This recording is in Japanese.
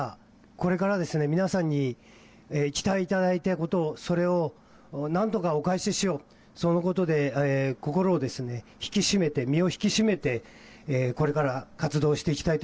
これから皆さんに期待いただいたこと、それをなんとかお返ししようと、そのことで心を引き締めて、身を引き締めてこれから活動していきたい。